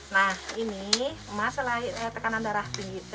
nah ini mak selain tekanan darah tinggi